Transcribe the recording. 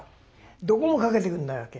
どこもかけてくんないわけ。